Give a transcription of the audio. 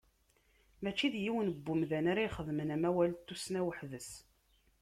Mačči d yiwen n wemdan ara ixedmen amawal n tussna weḥd-s.